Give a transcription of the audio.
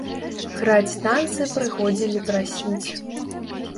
Граць танцы прыходзілі прасіць.